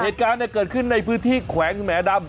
เหตุการณ์เกิดขึ้นในพื้นที่แขวงดำ